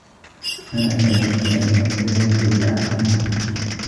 أنا سعيد لأنّه لا يوجد أحد هنا.